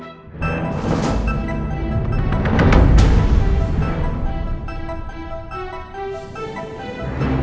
aku harus selamatkan anak ini